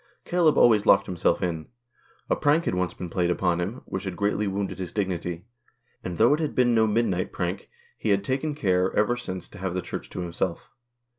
Caleb always locked himself in. A prank had once been played upon him, which had greatly wounded his dignity ; and though it had been no midnight prank, he had taken care, ever 177 &HOST TJlLES. since, to have the Church to himself.